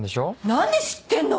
何で知ってんの？